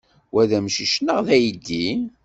Wa d amcic neɣ d aydi?